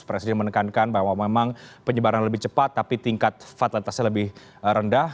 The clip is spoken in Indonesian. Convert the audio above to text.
presiden menekankan bahwa memang penyebaran lebih cepat tapi tingkat fatalitasnya lebih rendah